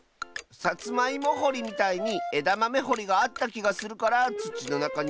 さつまいもほりみたいにえだまめほりがあったきがするからつちのなかになるとおもう！